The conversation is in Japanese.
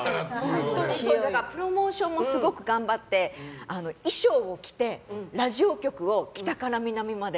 プロモーションもすごく頑張って衣装を着てラジオ局を北から南まで。